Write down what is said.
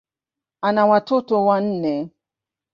Ana watoto wanne.